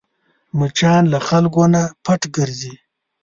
مچان له خلکو نه پټ ګرځي